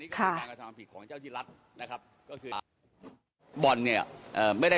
ค่ะ